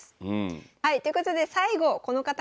はいということで最後この方になります。